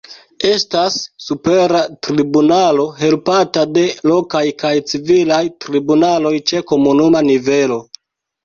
Estas Supera Tribunalo, helpata de lokaj kaj civilaj tribunaloj ĉe komunuma nivelo.